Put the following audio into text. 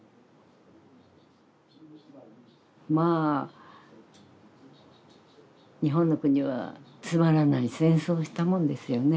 まあ日本の国はつまらない戦争をしたもんですよね